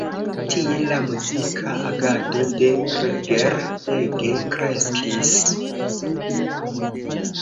Tie la muzika agado de Reger ege kreskis.